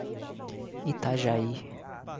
Itajaí